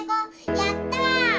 やった！